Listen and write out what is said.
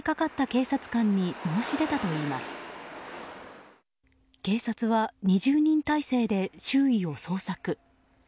警察は２０人態勢で周囲を捜索。